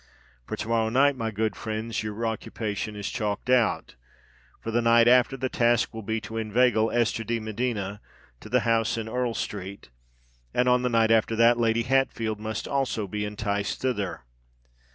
For to morrow night, my good friends, your occupation is chalked out: for the night after, the task will be to inveigle Esther de Medina to the house in Earl Street; and on the night after that, Lady Hatfield must also be enticed thither.